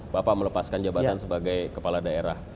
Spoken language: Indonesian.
bapak melepaskan jabatan sebagai kepala daerah